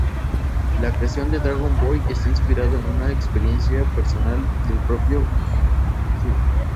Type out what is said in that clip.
La creación de Dragon Boy está inspirado en una experiencia personal del propio Hsu.